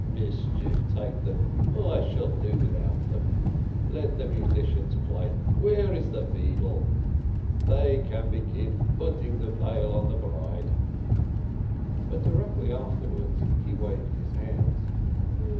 Mischief take them, I shall do without them ! "Let the musicians play! Where is the beadle? They can begin putting the veil on the bride." But directly afterwards he waved his hands.